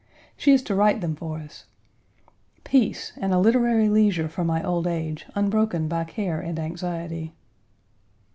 She is to write them for us. Peace, and a literary leisure for my old age, unbroken by care and anxiety!